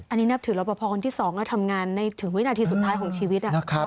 อันนี้นับถือรับประพอคนที่๒แล้วทำงานในถึงวินาทีสุดท้ายของชีวิต